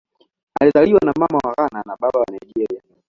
Amezaliwa na Mama wa Ghana na Baba wa Nigeria.